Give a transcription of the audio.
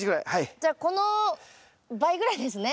じゃあこの倍ぐらいですね？